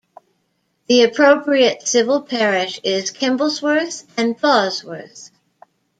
The appropriate civil parish is Kimblesworth and Plawsworth.